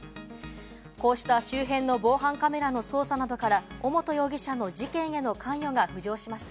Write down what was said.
こうした周辺の防犯カメラの捜査などから尾本容疑者の事件への関与が浮上しました。